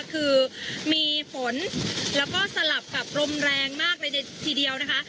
คือมีฝนแล้วก็สลับกับลมแรงมากเลยทีเดียวนะคะ